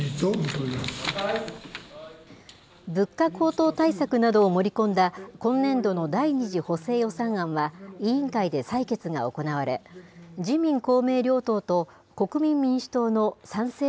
物価高騰対策などを盛り込んだ、今年度の第２次補正予算案は、委員会で採決が行われ、自民、公明両党と、国民民主党の賛成